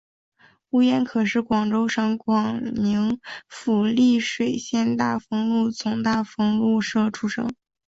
吴廷可是广平省广宁府丽水县大丰禄总大丰禄社出生。